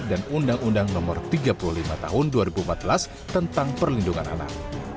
dan undang undang no tiga puluh lima tahun dua ribu empat belas tentang perlindungan anak